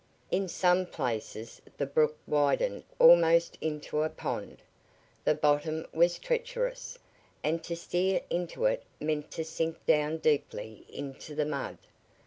In some places the brook widened almost into a pond. The bottom was treacherous, and to steer into it meant to sink down deeply into the mud.